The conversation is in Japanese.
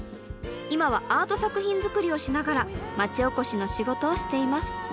今はアート作品作りをしながら町おこしの仕事をしています。